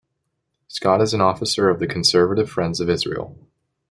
Scott is an officer of the Conservative Friends of Israel.